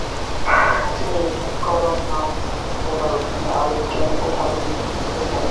তিনি কলম-নাম জেবার অধীনে আল-কেমি ও ধাতুবিদ লিখেন।